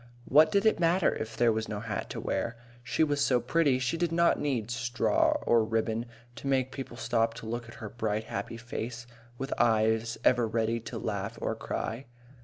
What did it matter if there was no hat to wear! She was so pretty, she did not need straw or ribbon to make people stop to look at the bright, happy face, with eyes ever ready to laugh or cry.